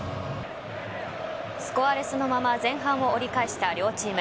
スコアレスのまま前半を折り返した両チーム。